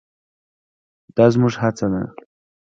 دا زموږ هڅه ده.